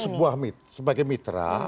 mk sebagai sebuah mitra